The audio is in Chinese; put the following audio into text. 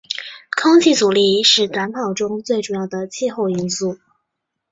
空气阻力是短跑中最主要的气候因素。